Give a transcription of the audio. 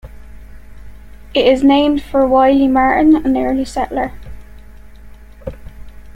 It is named for Wylie Martin, an early settler.